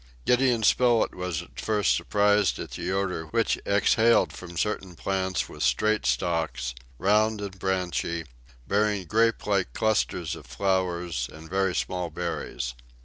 Gideon Spilett was at first surprised at the odor which exhaled from certain plants with straight stalks, round and branchy, bearing grape like clusters of flowers and very small berries.